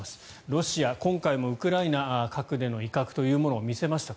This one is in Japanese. ロシア、今回もウクライナに核での威嚇というものを見せました。